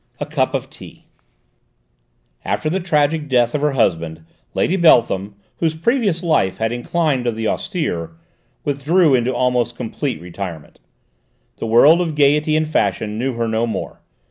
XX. A CUP OF TEA After the tragic death of her husband, Lady Beltham whose previous life had inclined to the austere withdrew into almost complete retirement. The world of gaiety and fashion knew her no more.